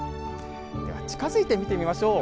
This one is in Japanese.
近づいて見てみましょう。